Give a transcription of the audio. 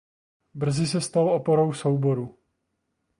Brzy se stal oporou souboru.